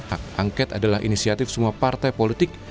hak angket adalah inisiatif semua partai politik